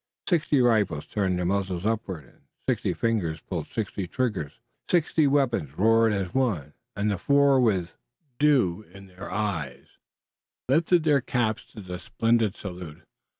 Sixty rifles turned their muzzles upward, and sixty fingers pulled sixty triggers. Sixty weapons roared as one, and the four with dew in their eyes, lifted their caps to the splendid salute.